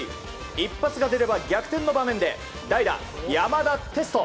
一発が出れば逆転の場面で代打、山田哲人。